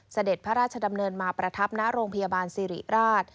เสด็จพระราชดำเนินมาประทับณโรงพยาบาลสิริราช